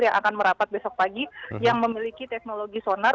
yang akan merapat besok pagi yang memiliki teknologi sonar